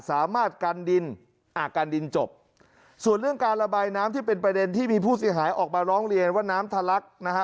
สามารถกันดินอ่ากันดินจบส่วนเรื่องการระบายน้ำที่เป็นประเด็นที่มีผู้เสียหายออกมาร้องเรียนว่าน้ำทะลักนะฮะ